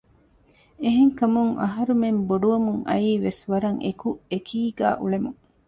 އެހެންކަމުން އަހަރުމެން ބޮޑުވަމުން އައީވެސް ވަރަށް އެކު އެކީގައި އުޅެމުން